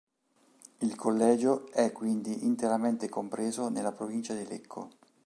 Il collegio è quindi interamente compreso nella provincia di Lecco.